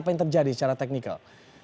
apa yang terjadi secara teknikal